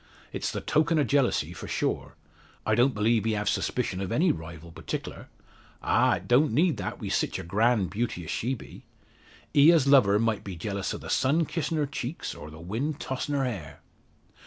It's the token o' jealousy for sure. I don't believe he have suspicion o' any rival particklar. Ah! it don't need that wi' sich a grand beauty as she be. He as love her might be jealous o' the sun kissing her cheeks, or the wind tossin' her hair!"